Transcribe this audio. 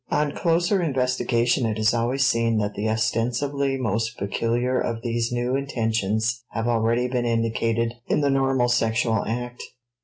On closer investigation it is always seen that the ostensibly most peculiar of these new intentions have already been indicated in the normal sexual act.